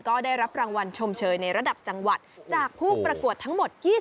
ก็ได้รับรางวัลชมเชยในระดับจังหวัดจากผู้ประกวดทั้งหมด